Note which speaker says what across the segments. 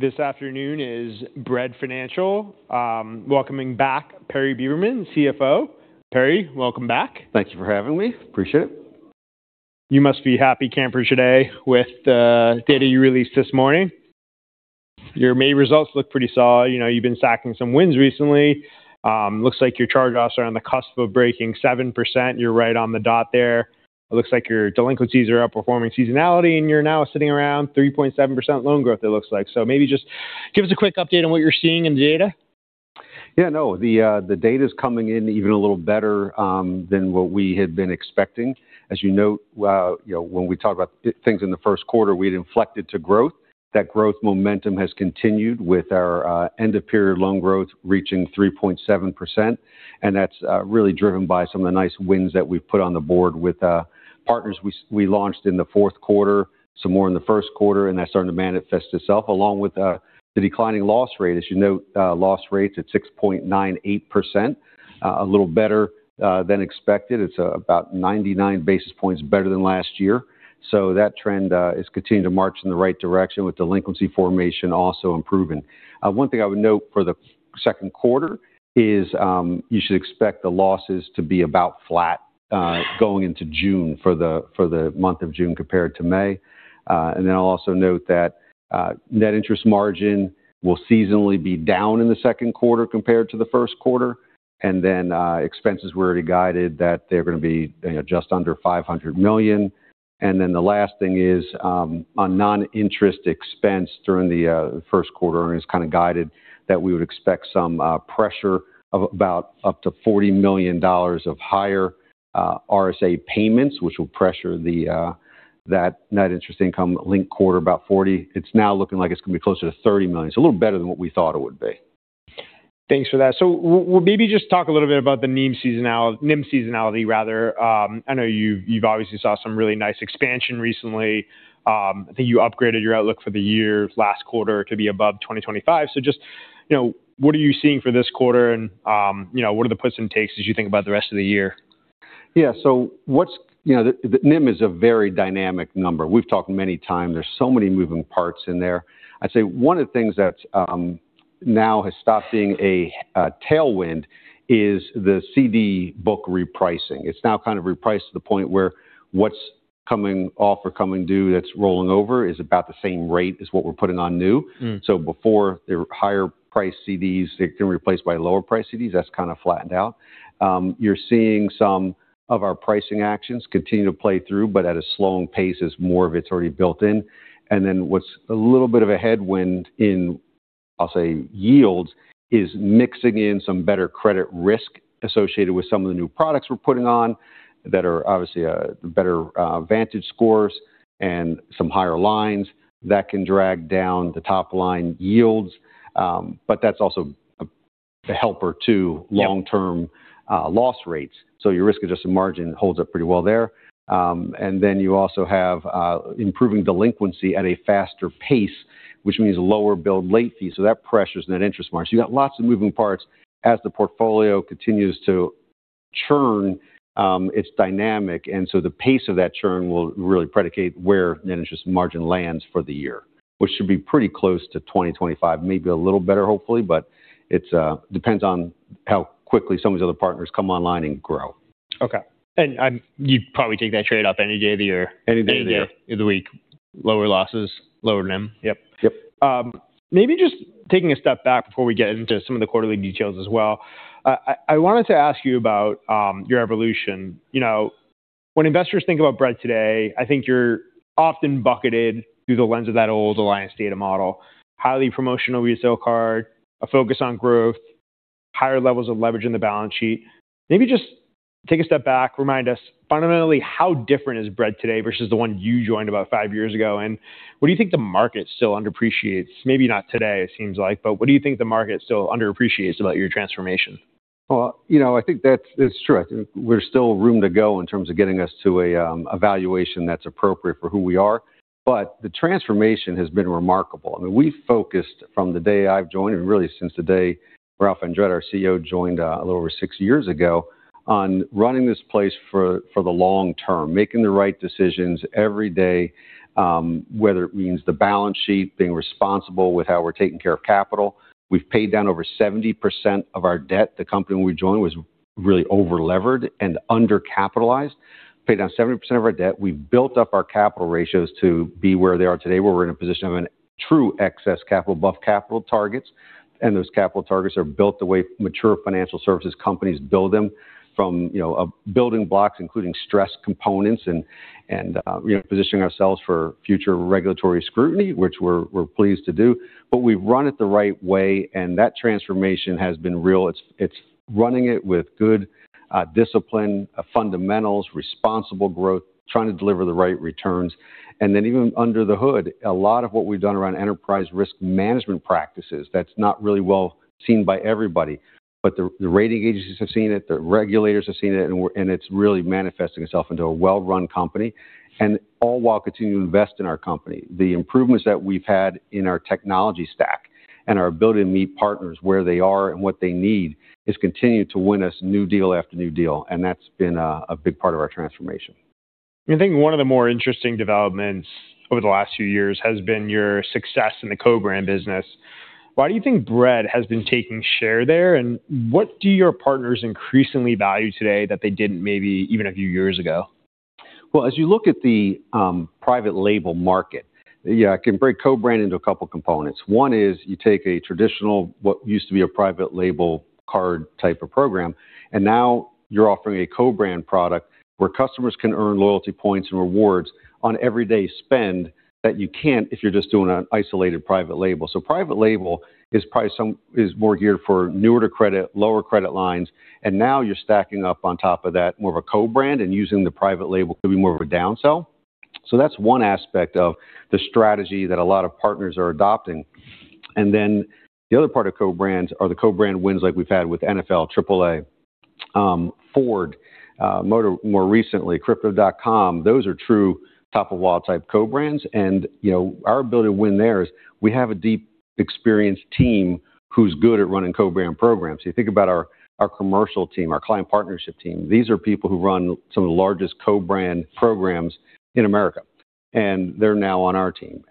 Speaker 1: This afternoon is Bread Financial. Welcoming back Perry Beberman, CFO. Perry, welcome back.
Speaker 2: Thank you for having me. Appreciate it.
Speaker 1: You must be happy campers today with the data you released this morning. Your May results look pretty solid. You've been stacking some wins recently. Looks like your charge-offs are on the cusp of breaking 7%. You're right on the dot there. It looks like your delinquencies are outperforming seasonality, and you're now sitting around 3.7% loan growth it looks like. Maybe just give us a quick update on what you're seeing in the data.
Speaker 2: Yeah, no. The data's coming in even a little better than what we had been expecting. As you note, when we talk about things in the first quarter, we had inflected to growth. That growth momentum has continued with our end-of-period loan growth reaching 3.7%, and that's really driven by some of the nice wins that we've put on the board with partners we launched in the fourth quarter, some more in the first quarter, and that's starting to manifest itself, along with the declining loss rate. As you note, loss rate's at 6.98%, a little better than expected. It's about 99 basis points better than last year. That trend is continuing to march in the right direction with delinquency formation also improving. One thing I would note for the second quarter is you should expect the losses to be about flat going into June for the month of June compared to May. I'll also note that net interest margin will seasonally be down in the second quarter compared to the first quarter, and expenses we already guided that they're going to be just under $500 million. The last thing is on non-interest expense during the first quarter earnings kind of guided that we would expect some pressure of about up to $40 million of higher RSA payments, which will pressure that net interest income linked quarter about $40 million. It's now looking like it's going to be closer to $30 million. It's a little better than what we thought it would be.
Speaker 1: Thanks for that. Maybe just talk a little bit about the NIM seasonality, rather. I know you've obviously saw some really nice expansion recently. I think you upgraded your outlook for the year last quarter to be above 2025. Just what are you seeing for this quarter, and what are the puts and takes as you think about the rest of the year?
Speaker 2: NIM is a very dynamic number. We've talked many times. There's so many moving parts in there. I'd say one of the things that now has stopped being a tailwind is the CD book repricing. It's now kind of repriced to the point where what's coming off or coming due that's rolling over is about the same rate as what we're putting on new. Before, the higher-priced CDs, they're getting replaced by lower-priced CDs. That's kind of flattened out. You're seeing some of our pricing actions continue to play through, but at a slowing pace as more of it's already built in. What's a little bit of a headwind in, I'll say yields, is mixing in some better credit risk associated with some of the new products we're putting on that are obviously better VantageScores and some higher lines. That can drag down the top-line yields. That's also a helper to long-term-
Speaker 1: Yeah
Speaker 2: loss rates. Your risk-adjusted margin holds up pretty well there. You also have improving delinquency at a faster pace, which means lower bill late fees. That pressures net interest margin. You've got lots of moving parts. As the portfolio continues to churn, it's dynamic, the pace of that churn will really predicate where net interest margin lands for the year, which should be pretty close to 2025, maybe a little better hopefully, but it depends on how quickly some of these other partners come online and grow.
Speaker 1: Okay. You'd probably take that trade-off any day of the year.
Speaker 2: Any day of the year.
Speaker 1: Any day of the week. Lower losses, lower NIM.
Speaker 2: Yep.
Speaker 1: Yep. Maybe just taking a step back before we get into some of the quarterly details as well. I wanted to ask you about your evolution. When investors think about Bread today, I think you're often bucketed through the lens of that old Alliance Data model. Highly promotional retail card, a focus on growth, higher levels of leverage in the balance sheet. Maybe just take a step back, remind us fundamentally how different is Bread today versus the one you joined about five years ago, and what do you think the market still underappreciates, maybe not today it seems like, but what do you think the market still underappreciates about your transformation?
Speaker 2: Well, I think that's true. I think there's still room to go in terms of getting us to a valuation that's appropriate for who we are. The transformation has been remarkable. I mean, we've focused from the day I've joined, and really since the day Ralph Andretta, our CEO, joined a little over six years ago, on running this place for the long term. Making the right decisions every day, whether it means the balance sheet, being responsible with how we're taking care of capital. We've paid down over 70% of our debt. The company when we joined was really over-levered and under-capitalized. Paid down 70% of our debt. We've built up our capital ratios to be where they are today, where we're in a position of a true excess capital above capital targets. Those capital targets are built the way mature financial services companies build them from building blocks, including stress components and positioning ourselves for future regulatory scrutiny, which we're pleased to do. We've run it the right way, and that transformation has been real. It's running it with good discipline, fundamentals, responsible growth, trying to deliver the right returns. Even under the hood, a lot of what we've done around enterprise risk management practices, that's not really well seen by everybody, but the rating agencies have seen it, the regulators have seen it, and it's really manifesting itself into a well-run company, and all while continuing to invest in our company. The improvements that we've had in our technology stack and our ability to meet partners where they are and what they need has continued to win us new deal after new deal, and that's been a big part of our transformation.
Speaker 1: I think one of the more interesting developments over the last few years has been your success in the co-brand business. Why do you think Bread has been taking share there, and what do your partners increasingly value today that they didn't maybe even a few years ago?
Speaker 2: As you look at the private label market, you can break co-brand into a couple components. One is you take a traditional, what used to be a private label card type of program, and now you're offering a co-brand product where customers can earn loyalty points and rewards on everyday spend that you can't if you're just doing an isolated private label. Private label is more geared for newer to credit, lower credit lines, and now you're stacking up on top of that more of a co-brand and using the private label could be more of a downsell. That's one aspect of the strategy that a lot of partners are adopting. The other part of co-brands are the co-brand wins like we've had with NFL, AAA, Ford, more recently Crypto.com. Those are true top-of-wallet type co-brands. Our ability to win there is we have a deep, experienced team who's good at running co-brand programs. You think about our commercial team, our client partnership team. These are people who run some of the largest co-brand programs in America, and they're now on our team.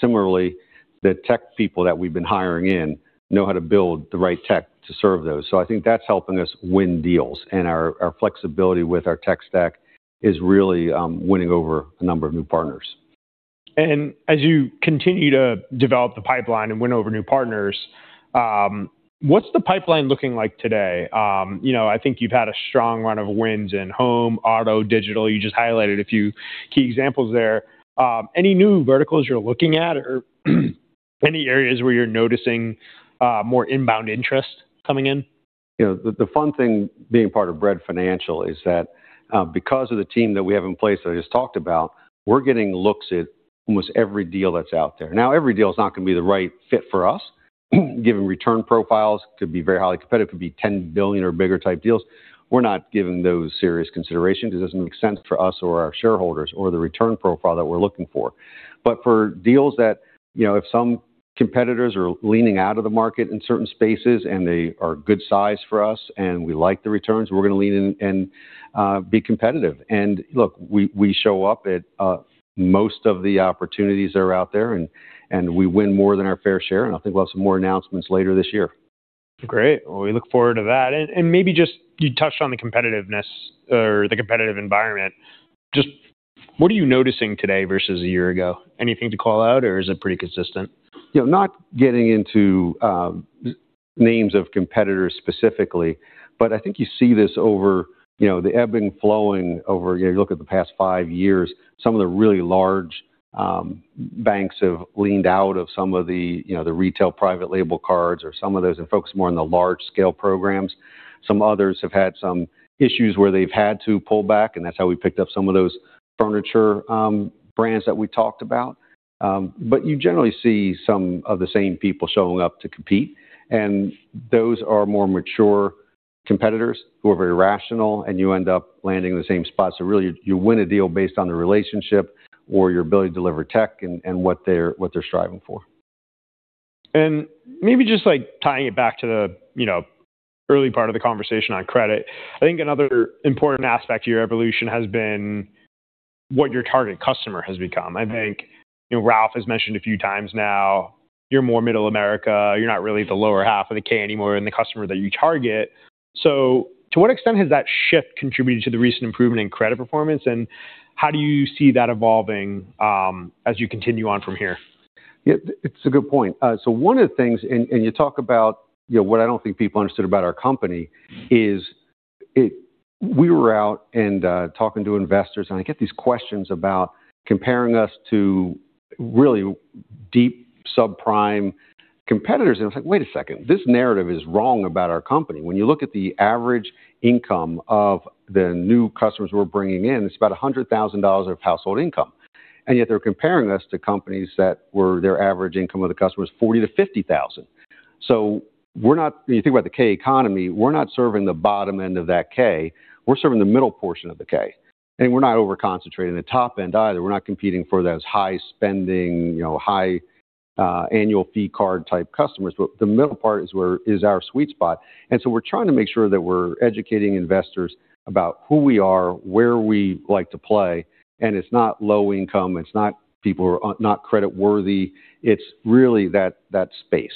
Speaker 2: Similarly, the tech people that we've been hiring in know how to build the right tech to serve those. I think that's helping us win deals and our flexibility with our tech stack is really winning over a number of new partners.
Speaker 1: As you continue to develop the pipeline and win over new partners, what's the pipeline looking like today? I think you've had a strong run of wins in home, auto, digital. You just highlighted a few key examples there. Any new verticals you're looking at or any areas where you're noticing more inbound interest coming in?
Speaker 2: The fun thing being part of Bread Financial is that because of the team that we have in place that I just talked about, we're getting looks at almost every deal that's out there. Every deal is not going to be the right fit for us. Given return profiles, could be very highly competitive, could be $10 billion or bigger type deals. We're not giving those serious consideration because it doesn't make sense for us or our shareholders or the return profile that we're looking for. For deals that if some competitors are leaning out of the market in certain spaces and they are good size for us and we like the returns, we're going to lean in and be competitive. Look, we show up at most of the opportunities that are out there and we win more than our fair share, and I think we'll have some more announcements later this year.
Speaker 1: Great. We look forward to that. Maybe just you touched on the competitiveness or the competitive environment. Just what are you noticing today versus a year ago? Anything to call out or is it pretty consistent?
Speaker 2: Not getting into names of competitors specifically, I think you see this over the ebb and flowing over you look at the past five years, some of the really large banks have leaned out of some of the retail private label cards or some of those have focused more on the large scale programs. Some others have had some issues where they've had to pull back, and that's how we picked up some of those furniture brands that we talked about. You generally see some of the same people showing up to compete, and those are more mature competitors who are very rational, and you end up landing in the same spot. Really you win a deal based on the relationship or your ability to deliver tech and what they're striving for.
Speaker 1: Maybe just tying it back to the early part of the conversation on credit. I think another important aspect to your evolution has been what your target customer has become. I think Ralph has mentioned a few times now you're more middle America. You're not really the lower half of the K anymore in the customer that you target. To what extent has that shift contributed to the recent improvement in credit performance, and how do you see that evolving as you continue on from here?
Speaker 2: It's a good point. One of the things, you talk about what I don't think people understood about our company is we were out and talking to investors, I get these questions about comparing us to really deep subprime competitors. It's like, wait a second, this narrative is wrong about our company. When you look at the average income of the new customers we're bringing in, it's about $100,000 of household income, yet they're comparing us to companies that where their average income of the customer is $40,000-$50,000. When you think about the K economy, we're not serving the bottom end of that K, we're serving the middle portion of the K. We're not over-concentrating the top end either. We're not competing for those high spending, high annual fee card type customers. The middle part is our sweet spot, we're trying to make sure that we're educating investors about who we are, where we like to play, it's not low income. It's not people who are not credit worthy. It's really that space.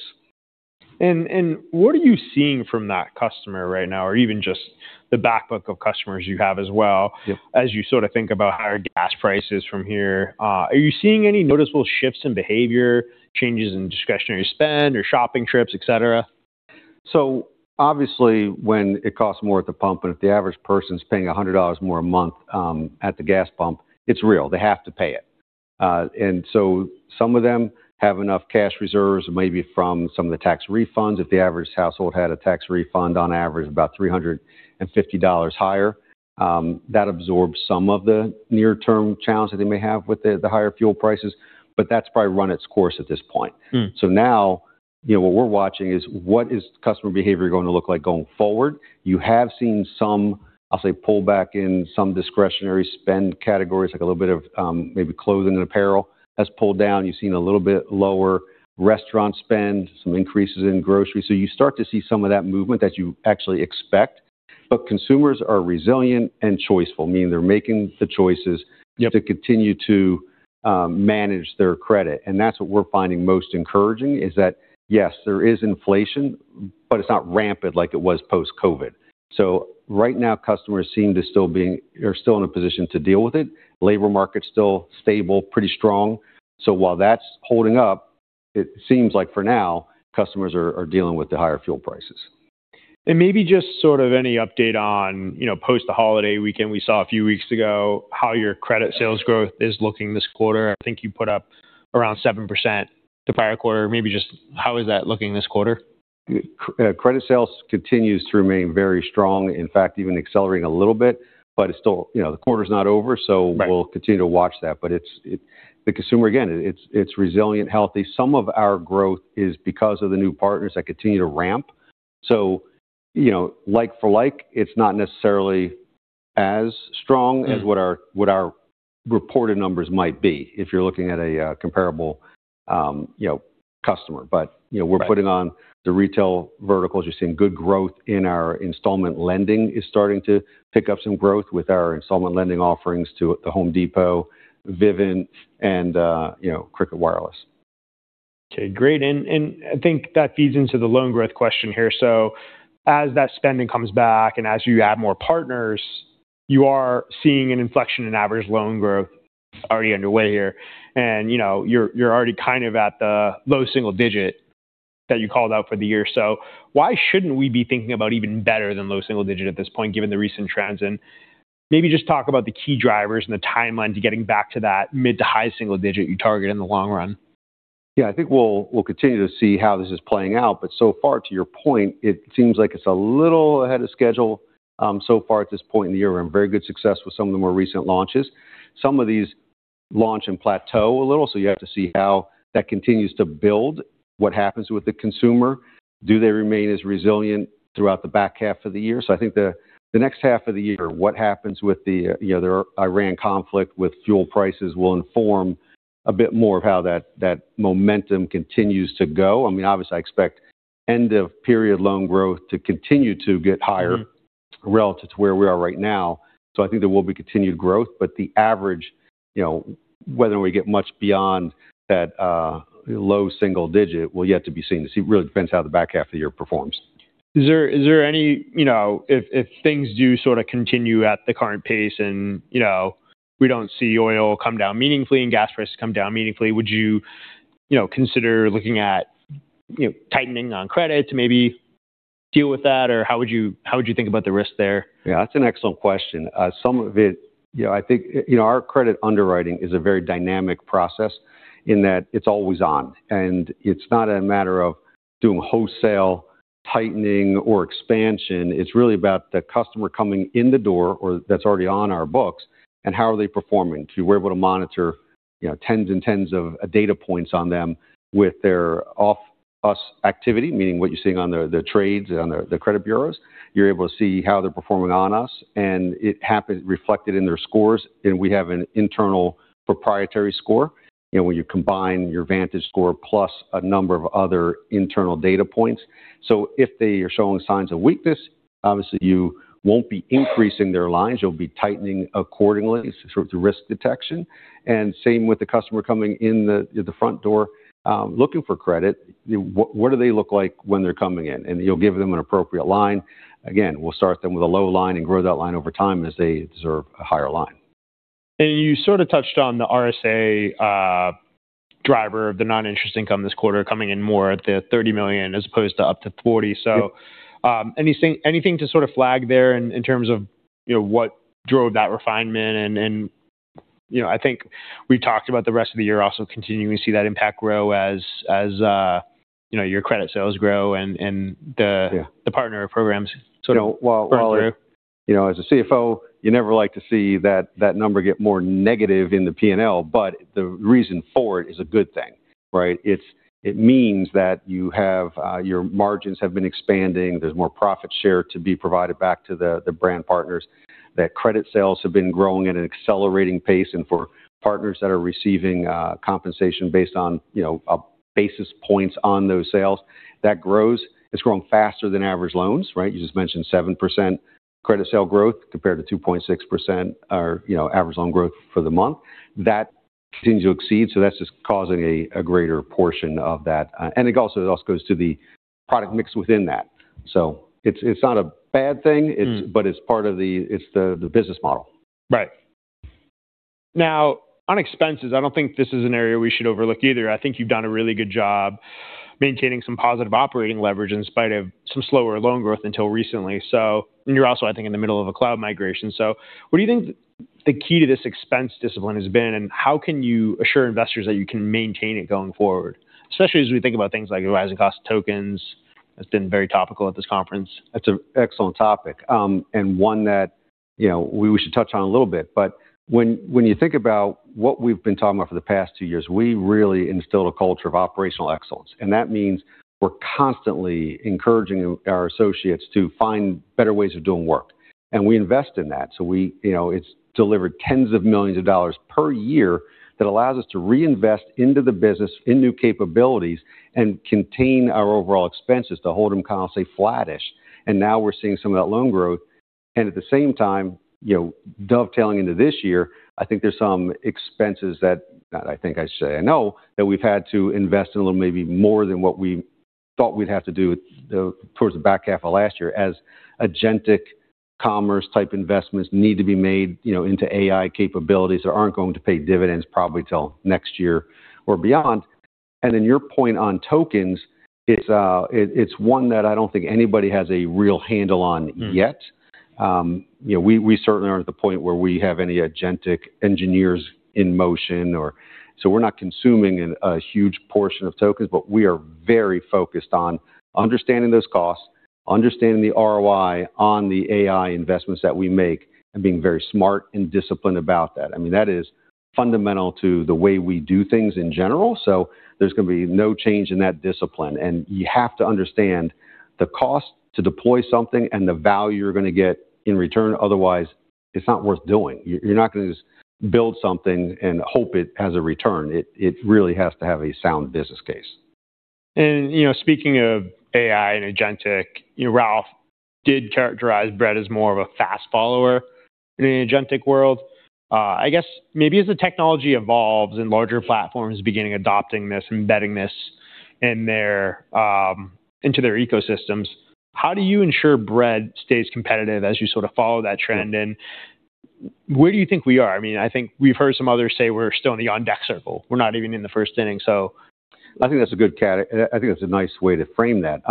Speaker 1: What are you seeing from that customer right now? Even just the back book of customers you have as well as you think about higher gas prices from here. Are you seeing any noticeable shifts in behavior changes in discretionary spend or shopping trips, et cetera?
Speaker 2: Obviously when it costs more at the pump and if the average person's paying $100 more a month at the gas pump, it's real. They have to pay it. Some of them have enough cash reserves, maybe from some of the tax refunds. If the average household had a tax refund, on average about $350 higher, that absorbs some of the near term challenge that they may have with the higher fuel prices, that's probably run its course at this point. Now, what we're watching is what is customer behavior going to look like going forward. You have seen some, I'll say, pull back in some discretionary spend categories, like a little bit of maybe clothing and apparel has pulled down. You've seen a little bit lower restaurant spend, some increases in grocery. You start to see some of that movement that you actually expect. Consumers are resilient and choiceful, meaning they're making the choices.
Speaker 1: Yep
Speaker 2: To continue to manage their credit. That's what we're finding most encouraging is that, yes, there is inflation, but it's not rampant like it was post-COVID. Right now, customers are still in a position to deal with it. Labor market's still stable, pretty strong. While that's holding up, it seems like for now customers are dealing with the higher fuel prices.
Speaker 1: Maybe just sort of any update on post the holiday weekend we saw a few weeks ago, how your credit sales growth is looking this quarter. I think you put up around 7% the prior quarter. Maybe just how is that looking this quarter?
Speaker 2: Credit sales continues to remain very strong, in fact even accelerating a little bit. The quarter's not over.
Speaker 1: Right
Speaker 2: we'll continue to watch that. The consumer, again, it's resilient, healthy. Some of our growth is because of the new partners that continue to ramp. like for like, it's not necessarily as strong as what our reported numbers might be if you're looking at a comparable customer.
Speaker 1: Right
Speaker 2: we're putting on the retail verticals, you're seeing good growth in our Installment Lending is starting to pick up some growth with our Installment Lending offerings to The Home Depot, Vivint and Cricket Wireless.
Speaker 1: Okay, great. I think that feeds into the loan growth question here. As that spending comes back and as you add more partners, you are seeing an inflection in average loan growth already underway here. you're already kind of at the low single digit that you called out for the year. Why shouldn't we be thinking about even better than low single digit at this point given the recent trends? maybe just talk about the key drivers and the timeline to getting back to that mid to high single digit you target in the long run.
Speaker 2: I think we'll continue to see how this is playing out. So far, to your point, it seems like it's a little ahead of schedule so far at this point in the year. We're having very good success with some of the more recent launches. Some of these launch and plateau a little, so you have to see how that continues to build, what happens with the consumer. Do they remain as resilient throughout the back half of the year? I think the next half of the year, what happens with the Iran conflict with fuel prices will inform a bit more of how that momentum continues to go. Obviously I expect end of period loan growth to continue to get higher. Relative to where we are right now. I think there will be continued growth, but the average, whether we get much beyond that low single digit will yet to be seen. It really depends how the back half of the year performs.
Speaker 1: If things do sort of continue at the current pace and we don't see oil come down meaningfully and gas prices come down meaningfully, would you consider looking at tightening on credit to maybe deal with that? How would you think about the risk there?
Speaker 2: That's an excellent question. Our credit underwriting is a very dynamic process in that it's always on, and it's not a matter of doing wholesale tightening or expansion. It's really about the customer coming in the door, or that's already on our books, and how are they performing. We're able to monitor tens and tens of data points on them with their off-us activity, meaning what you're seeing on the trades, on the credit bureaus. You're able to see how they're performing on us, and it happens reflected in their scores. We have an internal proprietary score. When you combine your VantageScore plus a number of other internal data points. If they are showing signs of weakness, obviously you won't be increasing their lines, you'll be tightening accordingly through risk detection. Same with the customer coming in the front door looking for credit. What do they look like when they're coming in? You'll give them an appropriate line. We'll start them with a low line and grow that line over time as they deserve a higher line.
Speaker 1: You sort of touched on the RSA driver of the non-interest income this quarter coming in more at the $30 million as opposed to up to $40 million.
Speaker 2: Yep
Speaker 1: Anything to sort of flag there in terms of what drove that refinement? I think we talked about the rest of the year also continuing to see that impact grow as your credit sales grow.
Speaker 2: Yeah
Speaker 1: The partner programs sort of roll through.
Speaker 2: As a CFO, you never like to see that number get more negative in the P&L, but the reason for it is a good thing, right? It means that your margins have been expanding, there's more profit share to be provided back to the brand partners. Credit sales have been growing at an accelerating pace and for partners that are receiving compensation based on basis points on those sales, that grows. It's growing faster than average loans, right? You just mentioned 7% credit sale growth compared to 2.6% average loan growth for the month. That continues to exceed, so that's just causing a greater portion of that. It also goes to the product mix within that. It's not a bad thing. It's part of the business model.
Speaker 1: Right. Now, on expenses, I don't think this is an area we should overlook either. I think you've done a really good job maintaining some positive operating leverage in spite of some slower loan growth until recently. And you're also I think in the middle of a cloud migration. What do you think the key to this expense discipline has been, and how can you assure investors that you can maintain it going forward? Especially as we think about things like rising cost tokens. That's been very topical at this conference.
Speaker 2: That's an excellent topic, and one that we should touch on a little bit. When you think about what we've been talking about for the past two years, we really instilled a culture of operational excellence, and that means we're constantly encouraging our associates to find better ways of doing work. We invest in that. It's delivered tens of millions of dollars per year that allows us to reinvest into the business, in new capabilities, and contain our overall expenses to hold them kind of, say, flattish. Now we're seeing some of that loan growth. At the same time, dovetailing into this year, I think there's some expenses that I think I should say I know that we've had to invest in a little maybe more than what we thought we'd have to do towards the back half of last year as agentic commerce type investments need to be made into AI capabilities that aren't going to pay dividends probably till next year or beyond. Your point on tokens, it's one that I don't think anybody has a real handle on yet. We certainly aren't at the point where we have any agentic engineers in motion, we're not consuming a huge portion of tokens, we are very focused on understanding those costs, understanding the ROI on the AI investments that we make, and being very smart and disciplined about that. That is fundamental to the way we do things in general. There's going to be no change in that discipline. You have to understand the cost to deploy something and the value you're going to get in return. Otherwise, it's not worth doing. You're not going to just build something and hope it has a return. It really has to have a sound business case.
Speaker 1: Speaking of AI and agentic, Ralph did characterize Bread as more of a fast follower in the agentic world. I guess maybe as the technology evolves and larger platforms begin adopting this, embedding this into their ecosystems, how do you ensure Bread stays competitive as you sort of follow that trend? Where do you think we are? I think we've heard some others say we're still in the on-deck circle. We're not even in the first inning.
Speaker 2: I think that's a nice way to frame that.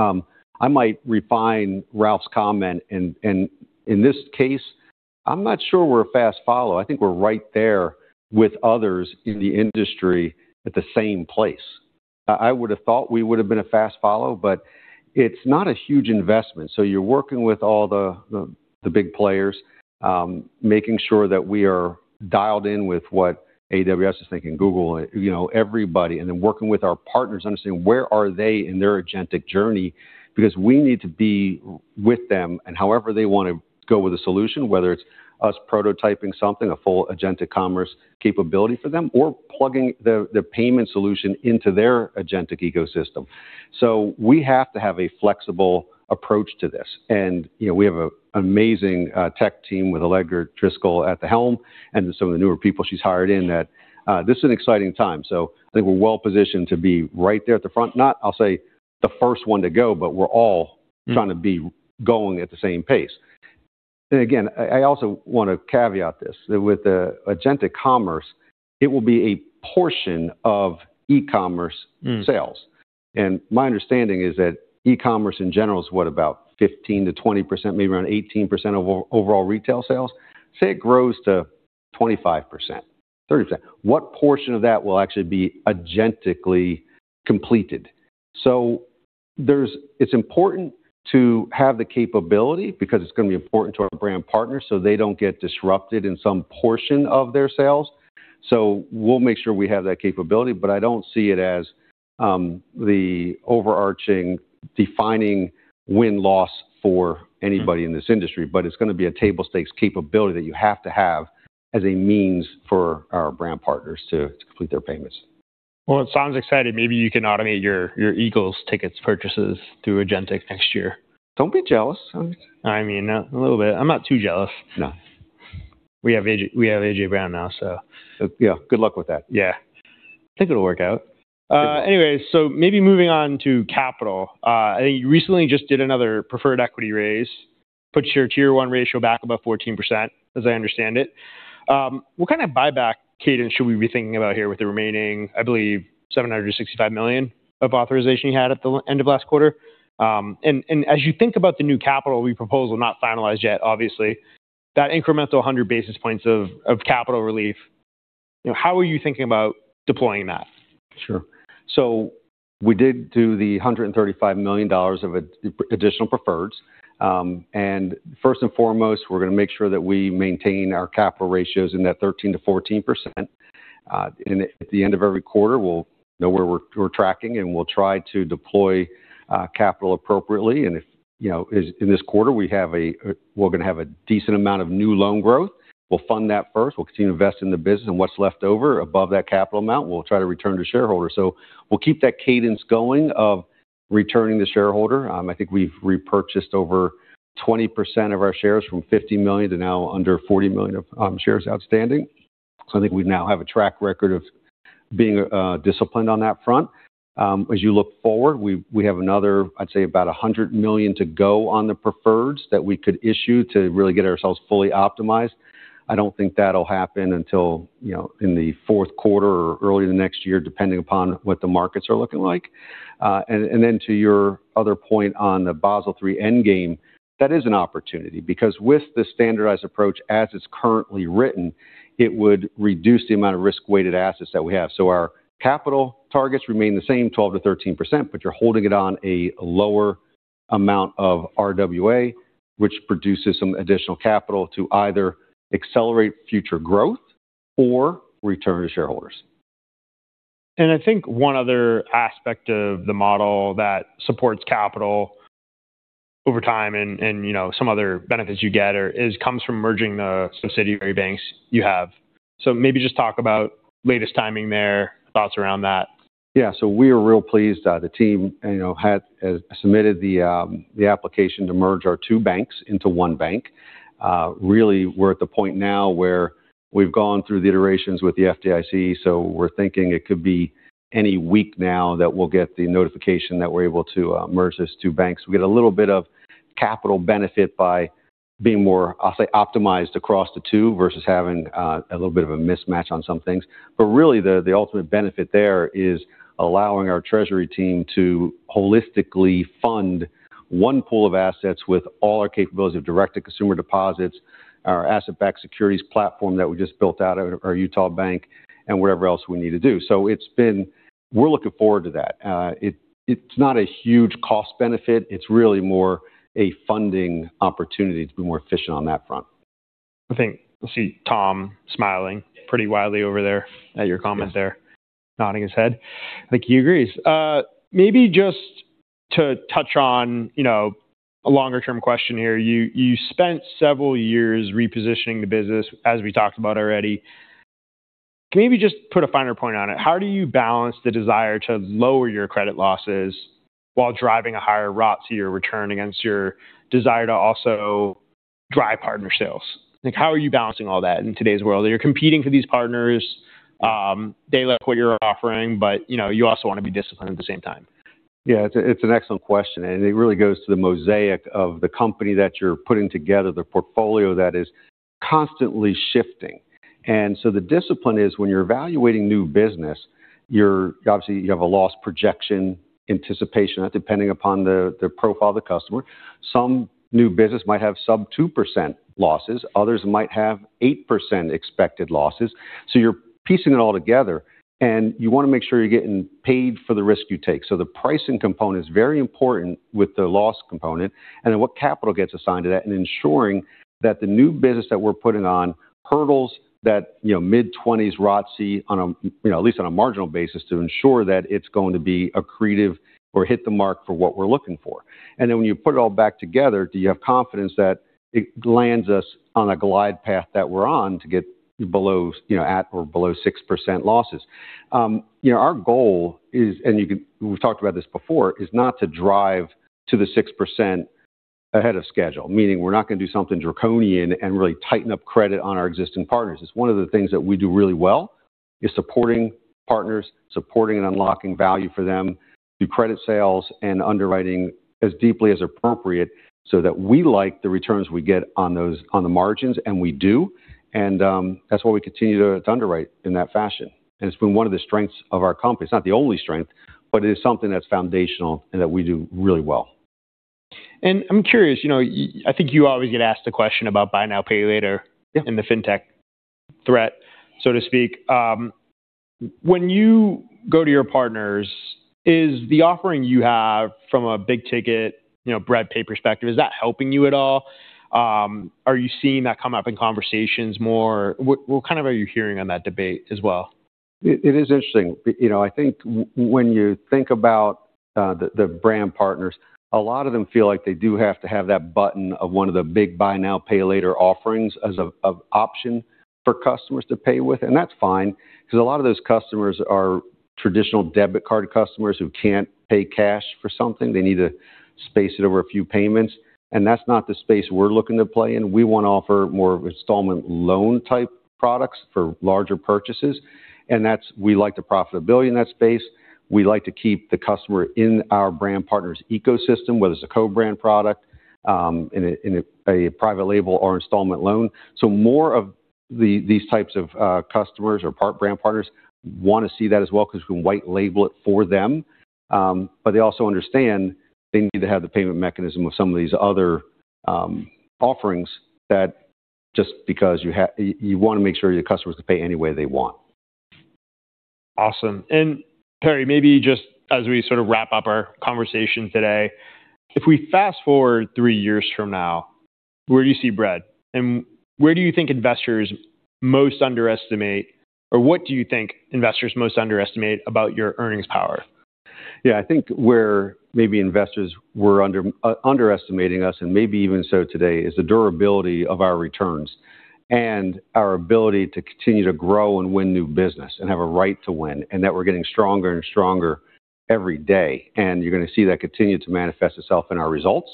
Speaker 2: I might refine Ralph's comment. In this case, I'm not sure we're a fast follow. I think we're right there with others in the industry at the same place. I would have thought we would have been a fast follow, it's not a huge investment. You're working with all the big players, making sure that we are dialed in with what AWS is thinking, Google, everybody, and then working with our partners, understanding where are they in their agentic journey, because we need to be with them and however they want to go with a solution, whether it's us prototyping something, a full agentic commerce capability for them, or plugging the payment solution into their agentic ecosystem. We have to have a flexible approach to this. We have an amazing tech team with Allegra Driscoll at the helm and some of the newer people she's hired in that this is an exciting time. I think we're well-positioned to be right there at the front. Not, I'll say, the first one to go to be going at the same pace. Again, I also want to caveat this, that with the agentic commerce, it will be a portion of e-commerce sales. My understanding is that e-commerce in general is, what, about 15%-20%, maybe around 18% of overall retail sales? Say it grows to 25%-30%. What portion of that will actually be agentically completed? It's important to have the capability because it's going to be important to our brand partners so they don't get disrupted in some portion of their sales. We'll make sure we have that capability, but I don't see it as the overarching defining win-loss for anybody in this industry. It's going to be a table stakes capability that you have to have as a means for our brand partners to complete their payments.
Speaker 1: Well, it sounds exciting. Maybe you can automate your Eagles tickets purchases through agentic next year.
Speaker 2: Don't be jealous.
Speaker 1: A little bit. I'm not too jealous.
Speaker 2: No.
Speaker 1: We have A.J. Brown now, so.
Speaker 2: Yeah. Good luck with that.
Speaker 1: Yeah. I think it'll work out.
Speaker 2: Good luck.
Speaker 1: Anyways, maybe moving on to capital. I think you recently just did another preferred equity raise, put your Tier 1 ratio back above 14%, as I understand it. What kind of buyback cadence should we be thinking about here with the remaining, I believe, $765 million of authorization you had at the end of last quarter? As you think about the new capital proposal, not finalized yet, obviously, that incremental 100 basis points of capital relief, how are you thinking about deploying that?
Speaker 2: Sure. We did do the $135 million of additional preferreds. First and foremost, we're going to make sure that we maintain our capital ratios in that 13%-14%. At the end of every quarter, we'll know where we're tracking, and we'll try to deploy capital appropriately. In this quarter, we're going to have a decent amount of new loan growth. We'll fund that first. We'll continue to invest in the business, and what's left over above that capital amount, we'll try to return to shareholders. We'll keep that cadence going of returning to shareholder. I think we've repurchased over 20% of our shares from 50 million to now under 40 million of shares outstanding. I think we now have a track record of being disciplined on that front. As you look forward, we have another, I'd say about $100 million to go on the preferreds that we could issue to really get ourselves fully optimized. I don't think that'll happen until in the fourth quarter or early next year, depending upon what the markets are looking like. To your other point on the Basel III endgame, that is an opportunity because with the standardized approach as it's currently written, it would reduce the amount of risk-weighted assets that we have. Our capital targets remain the same, 12%-13%, but you're holding it on a lower amount of RWA, which produces some additional capital to either accelerate future growth or return to shareholders.
Speaker 1: I think one other aspect of the model that supports capital over time and some other benefits you get comes from merging the subsidiary banks you have. Maybe just talk about latest timing there, thoughts around that.
Speaker 2: We are real pleased. The team has submitted the application to merge our two banks into one bank. Really, we're at the point now where we've gone through the iterations with the FDIC, we're thinking it could be any week now that we'll get the notification that we're able to merge these two banks. We get a little bit of capital benefit by being more, I'll say, optimized across the two versus having a little bit of a mismatch on some things. Really, the ultimate benefit there is allowing our treasury team to holistically fund one pool of assets with all our capability of directed consumer deposits, our asset-backed securities platform that we just built out at our Utah bank, and wherever else we need to do. We're looking forward to that. It's not a huge cost benefit. It's really more a funding opportunity to be more efficient on that front.
Speaker 1: I think I see Tom smiling pretty widely over there at your comment there.
Speaker 2: Yes.
Speaker 1: Nodding his head. I think he agrees. Maybe just to touch on a longer-term question here. You spent several years repositioning the business, as we talked about already. Maybe just put a finer point on it. How do you balance the desire to lower your credit losses while driving a higher ROTCE to your return against your desire to also drive partner sales? How are you balancing all that in today's world? You're competing for these partners. They like what you're offering, but you also want to be disciplined at the same time.
Speaker 2: Yeah. It's an excellent question, and it really goes to the mosaic of the company that you're putting together, the portfolio that is constantly shifting. The discipline is when you're evaluating new business, obviously you have a loss projection anticipation depending upon the profile of the customer. Some new business might have sub 2% losses, others might have 8% expected losses. You're piecing it all together, and you want to make sure you're getting paid for the risk you take. The pricing component is very important with the loss component, and then what capital gets assigned to that, and ensuring that the new business that we're putting on hurdles that mid-20s ROTCE, at least on a marginal basis to ensure that it's going to be accretive or hit the mark for what we're looking for. When you put it all back together, do you have confidence that it lands us on a glide path that we're on to get at or below 6% losses? Our goal is, and we've talked about this before, is not to drive to the 6% ahead of schedule, meaning we're not going to do something draconian and really tighten up credit on our existing partners. It's one of the things that we do really well, is supporting partners, supporting and unlocking value for them through credit sales and underwriting as deeply as appropriate so that we like the returns we get on the margins. We do, and that's why we continue to underwrite in that fashion. It's been one of the strengths of our company. It's not the only strength, but it is something that's foundational and that we do really well.
Speaker 1: I'm curious, I think you always get asked the question about buy now, pay later.
Speaker 2: Yeah
Speaker 1: The fintech threat, so to speak. When you go to your partners, is the offering you have from a big-ticket Bread Pay perspective, is that helping you at all? Are you seeing that come up in conversations more? What are you hearing on that debate as well?
Speaker 2: It is interesting. I think when you think about the brand partners, a lot of them feel like they do have to have that button of one of the big buy now, pay later offerings as an option for customers to pay with. That's fine because a lot of those customers are traditional debit card customers who can't pay cash for something. They need to space it over a few payments, and that's not the space we're looking to play in. We want to offer more installment loan-type products for larger purchases, and we like the profitability in that space. We like to keep the customer in our brand partner's ecosystem, whether it's a co-brand product, in a private label, or installment loan. More of these types of customers or brand partners want to see that as well because we can white label it for them. They also understand they need to have the payment mechanism of some of these other offerings just because you want to make sure your customers can pay any way they want.
Speaker 1: Awesome. Perry, maybe just as we sort of wrap up our conversation today, if we fast-forward three years from now, where do you see Bread? Where do you think investors most underestimate, or what do you think investors most underestimate about your earnings power?
Speaker 2: Yeah. I think where maybe investors were underestimating us, and maybe even so today, is the durability of our returns and our ability to continue to grow and win new business, and have a right to win, and that we're getting stronger and stronger every day. You're going to see that continue to manifest itself in our results.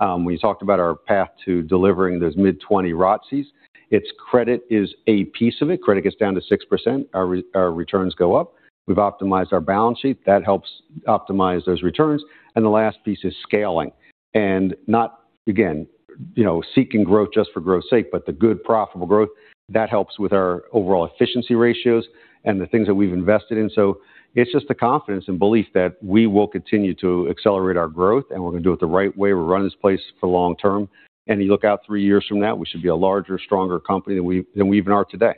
Speaker 2: When you talked about our path to delivering those mid-20 ROTCEs, its credit is a piece of it. Credit gets down to 6%, our returns go up. We've optimized our balance sheet. That helps optimize those returns. The last piece is scaling. Not, again, seeking growth just for growth's sake, but the good profitable growth. That helps with our overall efficiency ratios and the things that we've invested in. It's just the confidence and belief that we will continue to accelerate our growth, and we're going to do it the right way. We're running this place for the long term. You look out three years from now, we should be a larger, stronger company than we even are today.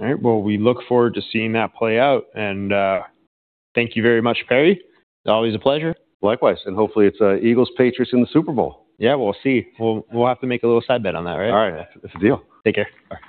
Speaker 1: All right. Well, we look forward to seeing that play out. Thank you very much, Perry. It's always a pleasure.
Speaker 2: Likewise. Hopefully it's Eagles-Patriots in the Super Bowl.
Speaker 1: Yeah, we'll see. We'll have to make a little side bet on that, right?
Speaker 2: All right. It's a deal.
Speaker 1: Take care. All right.